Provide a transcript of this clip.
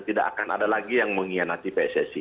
lantai dan tidak akan ada lagi yang mengkhianati pssi